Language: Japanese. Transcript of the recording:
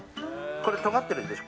これ、とがってるでしょ。